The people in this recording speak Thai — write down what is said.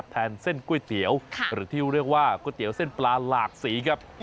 เส้นก๋วยเตี๋ยวหรือที่เรียกว่าก๋วยเตี๋ยวเส้นปลาหลากสีครับ